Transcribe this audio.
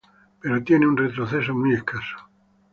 Pero tiene un retroceso muy escaso.